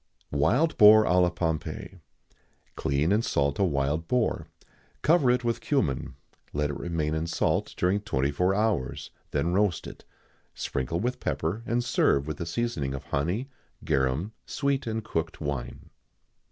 [XIX 79] Wild Boar à la Pompée. Clean and salt a wild boar, cover it with cummin; let it remain in salt during twenty four hours; then roast it; sprinkle with pepper, and serve with a seasoning of honey, garum, sweet and cooked wine.